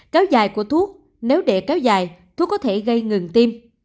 kéo dài của thuốc nếu để kéo dài thuốc có thể gây ngừng tim